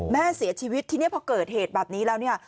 แม่เสียชีวิตทีนี้พอเกิดเหตุแบบนี้แล้วเนี่ย